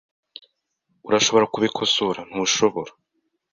Urashobora kubikosora, ntushobora?